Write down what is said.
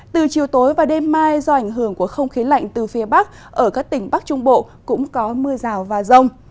từ chiều tối và đêm mai do ảnh hưởng của không khí lạnh từ phía bắc ở các tỉnh bắc trung bộ cũng có mưa rào và rông